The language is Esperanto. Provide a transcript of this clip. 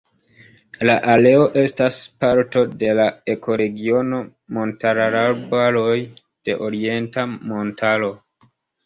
La areo estas parto de la ekoregiono Montararbaroj de Orienta Montaro.